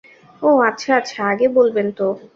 ও, আচ্ছা আচ্ছা, আগে বলবেন তো।